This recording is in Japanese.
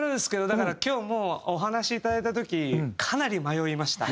だから今日もお話いただいた時かなり迷いました。